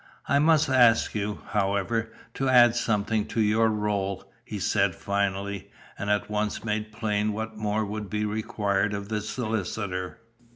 "I must ask you, however, to add something to your rôle," he said finally, and at once made plain what more would be required of the solicitor.